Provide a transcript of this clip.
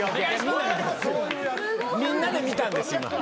・みんなで見たんです今。